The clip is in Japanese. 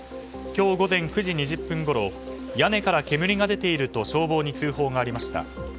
今日午前９時２０分ごろ屋根から煙が出ていると消防に通報がありました。